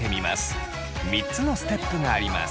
３つのステップがあります。